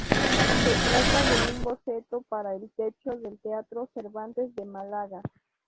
Se trata de un boceto para el techo del teatro Cervantes de Málaga.